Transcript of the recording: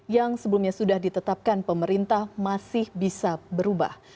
yang sebelumnya sudah ditetapkan pemerintah masih bisa berubah